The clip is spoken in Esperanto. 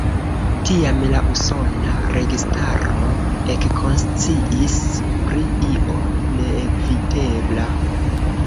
Tiam la usona registaro ekkonsciis pri io neevitebla.